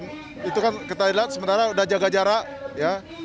nah itu kan kita lihat sementara udah jaga jarak ya